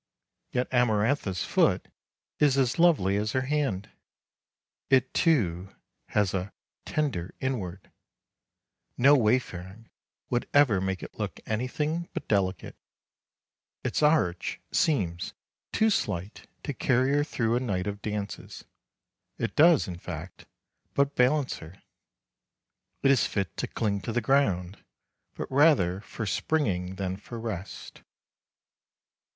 Yet Amarantha's foot is as lovely as her hand. It, too, has a "tender inward"; no wayfaring would ever make it look anything but delicate; its arch seems too slight to carry her through a night of dances; it does, in fact, but balance her. It is fit to cling to the ground, but rather for springing than for rest.